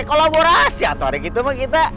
kolaborasi atorik itu mah kita